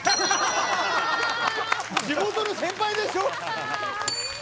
地元の先輩でしょ？